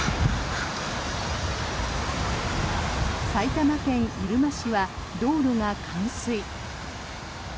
埼玉県入間市は道路が冠水。